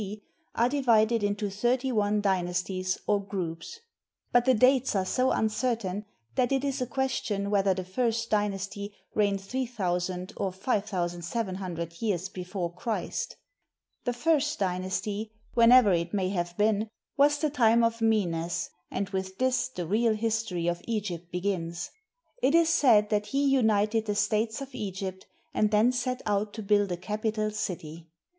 C., are divided into thirty one dynasties or groups; but the dates are so uncertain that it is a question whether the first dynasty reigned 3000 or 5700 years before Christ. The First Dynasty, whenever it may have been, was the time of Menes ; and with this the real history of Egypt begins. It is said that he united the states of Egypt and then set out to build a capital city.